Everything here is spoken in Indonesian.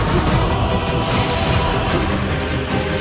sang penguasa kerajaan penyelidikan